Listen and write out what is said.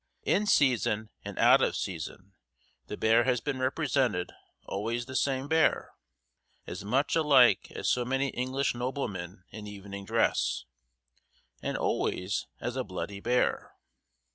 In season and out of season, the bear has been represented always the same bear, "as much alike as so many English noblemen in evening dress," and always as a bloody bear.